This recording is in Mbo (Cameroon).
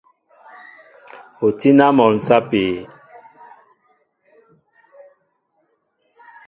O tí na mol sapi?